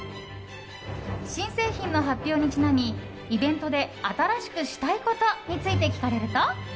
新製品の発表にちなみイベントで新しくしたいことについて聞かれると。